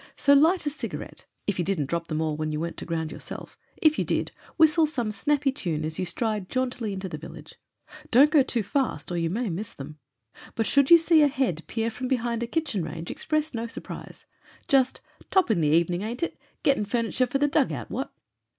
So light a cigarette — ^if you didn't drop them all when you went to ground yourself; if you did — whistle some snappy tune as you stride jauntily into the village. Don't go too fast or you may miss them ; but shoiild xviii PROLOGUE you see a head peer from behind a kitchen range ex press no surprise. Just — ^"Toppin' evening, ain't it? Getting furniture for the dug out — ^what